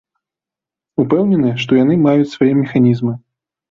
Упэўнены, што яны маюць свае механізмы.